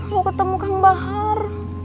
mau ketemu kang bahar